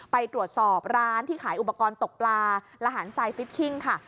ไปตรวจสอบร้านที่ขายอุปกรณ์ตกปลาระหารทรายฟิชชิงค่ะ